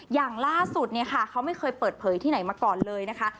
อย่างล่าสุดเนี่ยค่ะเขาไม่เคยเปิดเผยที่ไหนมาก่อนเลยนะคะ